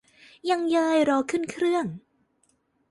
ยังเยย รอขึ้นเครื่อง